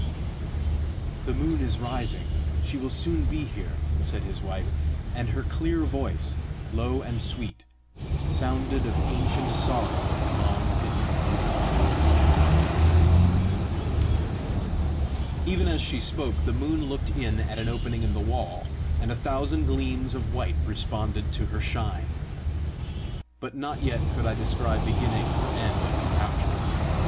"The moon is rising; she will soon be here," said his wife, and her clear voice, low and sweet, sounded of ancient sorrow long bidden adieu. Even as she spoke the moon looked in at an opening in the wall, and a thousand gleams of white responded to her shine. But not yet could I descry beginning or end of the couches.